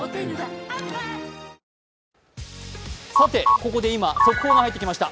ここで今、速報が入ってきました。